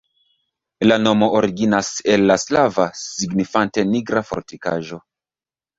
La nomo originas el la slava, signifante nigra fortikaĵo.